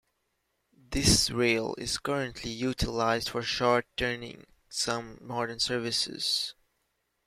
This rail is currently utilized for short-turning some modern services.